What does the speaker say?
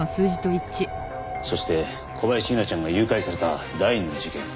そして小林優菜ちゃんが誘拐された第二の事件。